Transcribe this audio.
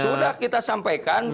sudah kita sampaikan